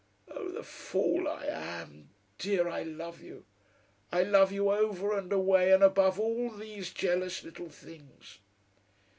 Oh, the fool I am! Dear, I love you. I love you over and away and above all these jealous little things!"